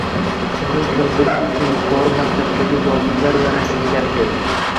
Uni kundirish uchun yukori mansabdagi zobitlar va rasmiylar keldi